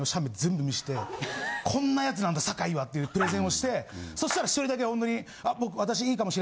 「こんな奴なんだ坂井は」っていうプレゼンをしてそしたら１人だけ本当に。